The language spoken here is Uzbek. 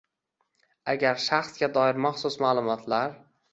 agar shaxsga doir maxsus ma’lumotlar